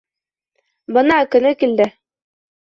Бына, көнө килде.